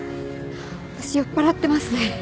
私酔っぱらってますね。